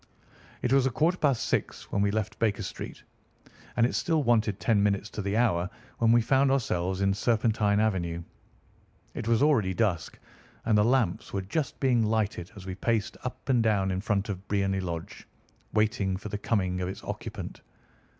It was a quarter past six when we left Baker Street, and it still wanted ten minutes to the hour when we found ourselves in Serpentine Avenue. It was already dusk, and the lamps were just being lighted as we paced up and down in front of Briony Lodge, waiting for the coming of its occupant.